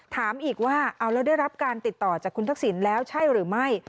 ถามอีกว่าเอาแล้วได้รับการติดต่อจากคุณทักษิณแล้วใช่หรือไม่